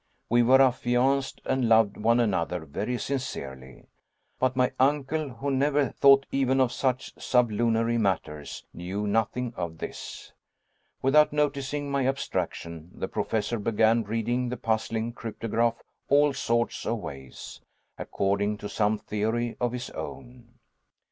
We were affianced, and loved one another very sincerely. But my uncle, who never thought even of such sublunary matters, knew nothing of this. Without noticing my abstraction, the Professor began reading the puzzling cryptograph all sorts of ways, according to some theory of his own.